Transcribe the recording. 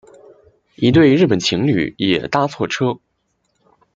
一对日本情侣也搭错车